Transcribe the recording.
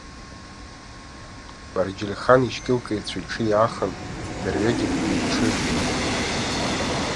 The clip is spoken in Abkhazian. Барџьиль-хан ишькылкыҩцәа иҽы иаахан, дырҩегьых дыҩҽыжәлеит.